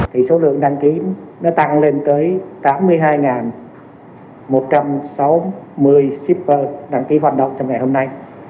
thì số lượng đăng ký nó tăng lên tới tám mươi hai một trăm sáu mươi shipper đăng ký hoạt động trong ngày hôm nay